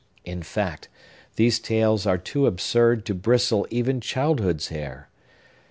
In fact, these tales are too absurd to bristle even childhood's hair.